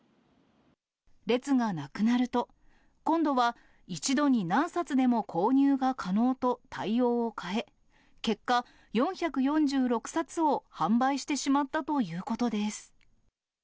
列がなくなると、今度は、１度に何冊でも購入が可能と対応を変え、結果、４４６冊を販売してしまったということです。